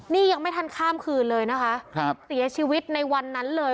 นี่ยังไม่ทันข้ามคืนเลยนะคะครับเสียชีวิตในวันนั้นเลย